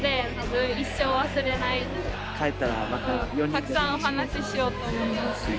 たくさんお話ししようと思います。